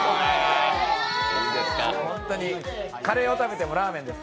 ホントにカレーを食べてもラーメンです。